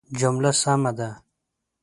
جمله سمه ده